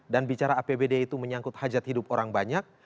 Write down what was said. bicara apbd itu menyangkut hajat hidup orang banyak